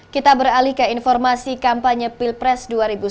kita beralih ke informasi kampanye pilpres dua ribu sembilan belas